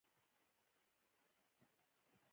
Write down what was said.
آیا د اخترونو لمانځل په شاندارو مراسمو نه کیږي؟